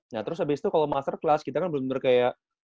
nah terus abis itu kalau master class kita kan bener bener kayak